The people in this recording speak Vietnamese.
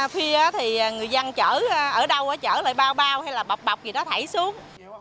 khi thì người dân chở ở đâu chở lại bao bao hay là bọc bọc gì đó thảy xuống